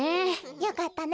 よかったね